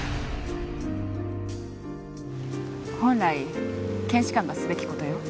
本来検視官がすべき事よ。